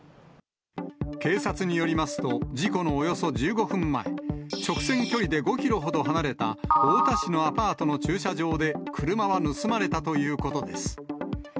警察によりますと、事故のおよそ１５分前、直線距離で５キロほど離れた、太田市のアパートの駐車場で、車は盗まれたということです。